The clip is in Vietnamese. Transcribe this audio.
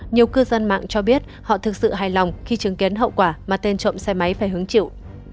nhiều cư dân mạng cho biết họ thực sự hài lòng khi chứng kiến hậu quả mà tên trộm xe máy phải hứng chịu